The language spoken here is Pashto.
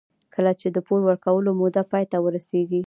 کله چې د پور ورکولو موده پای ته ورسېږي